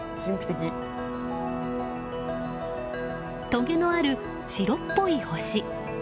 とげのある白っぽい星。